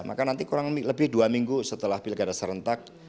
maka nanti kurang lebih dua minggu setelah pilkada serentak